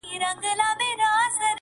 له هغه وخته چي ما پېژندی -